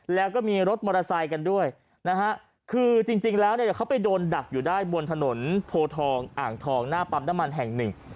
แล้วก็มีรถมอเตอร์ไซค์กันด้วยนะฮะคือจริงแล้วเนี่ยเขาไปโดนดักอยู่ได้บนถนนโพทองอ่างทองหน้าปั๊มน้ำมันแห่งหนึ่ง